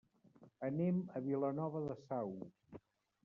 Anem a Vilanova de Sau.